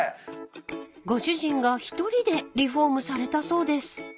［ご主人が一人でリフォームされたそうです］